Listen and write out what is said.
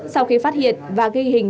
sau khi phát hiện và ghi hình